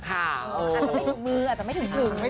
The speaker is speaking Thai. อาจจะไม่ถึงมืออาจจะไม่ถึง